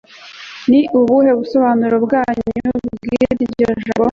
Ni ubuhe busobanuro nyabwo bwiryo jambo